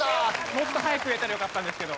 もっと早く言えたらよかったんですけど。